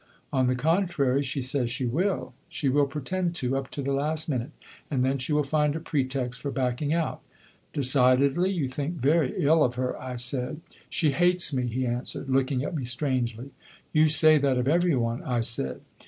'On the contrary, she says she will.' 'She will pretend to, up to the last minute; and then she will find a pretext for backing out.' 'Decidedly, you think very ill of her,' I said. 'She hates me,' he answered, looking at me strangely. 'You say that of every one,' I said.